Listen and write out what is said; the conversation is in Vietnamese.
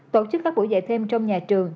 tổ chức các buổi dạy thêm trong nhà trường